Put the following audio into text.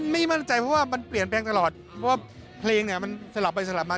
ไม่มั่นใจเพราะว่ามันเปลี่ยนแปลงตลอดเพราะว่าเพลงเนี่ยมันสลับไปสลับมา